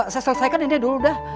saya selesaikan ini dulu dah